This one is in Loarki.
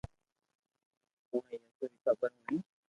اوڻي يسوع ري خبر ھوڻين